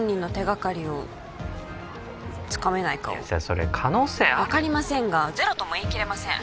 分かりませんが☎ゼロとも言い切れません